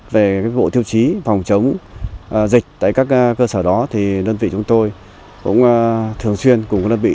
về bộ thiêu chí phòng chống dịch tại các cơ sở đó đơn vị chúng tôi cũng thường xuyên cùng đơn vị